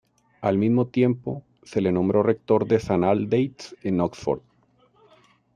Al mismo tiempo, se le nombró rector de San Aldate’s, en Oxford.